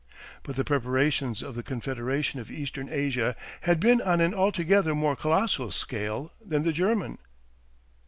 But the preparations of the Confederation of Eastern Asia had been on an altogether more colossal scale than the German.